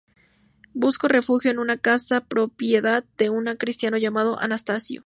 Buscó refugio en una casa propiedad de un cristiano llamado Anastasio.